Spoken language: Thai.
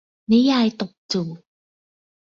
นิยายตบจูบ